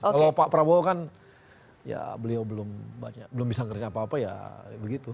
kalau pak prabowo kan ya beliau belum bisa ngerjain apa apa ya begitu